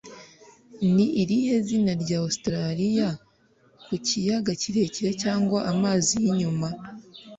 Ni irihe zina rya Ositaraliya ku kiyaga kirekire cyangwa amazi yinyuma